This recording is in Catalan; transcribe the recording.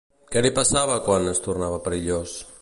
Què li passava quan es tornava perillós?